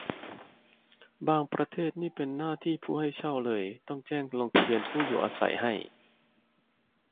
บางประเทศนี่เป็นหน้าที่ผู้ให้เช่าเลย ต้องแจ้งลงทะเบียนผู้อยู่อาศัยให้